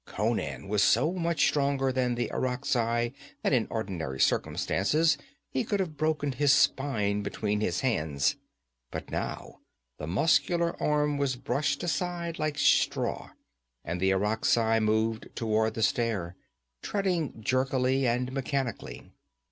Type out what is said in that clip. Conan was so much stronger than the Irakzai that in ordinary circumstances he could have broken his spine between his hands. But now the muscular arm was brushed aside like straw and the Irakzai moved toward the stair, treading jerkily and mechanically.